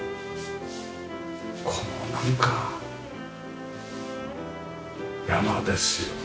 このなんか山ですよね。